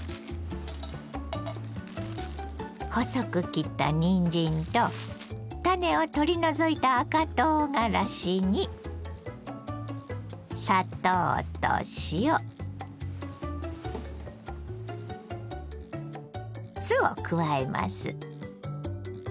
細く切ったにんじんと種を取り除いた赤とうがらしにを加えます。